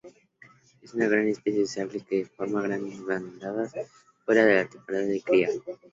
Es una especie sociable que forma grandes bandadas fuera de la temporada de cría.